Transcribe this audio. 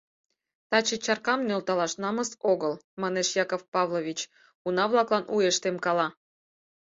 — Таче чаркам нӧлталаш намыс огыл, — манеш Яков Павлович, уна-влаклан уэш темкала.